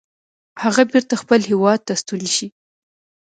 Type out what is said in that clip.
هغه بیرته خپل هیواد ته ستون شي.